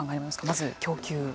まず供給。